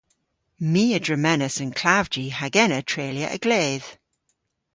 My a dremenas an klavji hag ena treylya a-gledh.